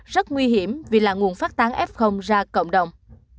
rất nguy hiểm vì là nguồn phát tán f ra cộng đồng